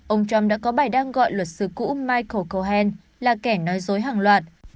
ông trump đã có bài đăng gọi luật sư cũ michael cohen là kẻ nói dối hàng loạt